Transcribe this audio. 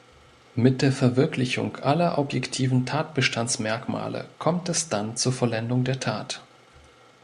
Mit der Verwirklichung aller objektiven Tatbestandsmerkmale kommt es dann zur Vollendung der Tat.